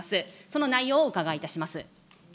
その内容をお伺いいたします。